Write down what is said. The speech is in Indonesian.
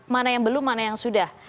mana yang belum mana yang sudah